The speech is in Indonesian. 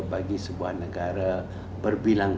bagi sebuah negara berbilang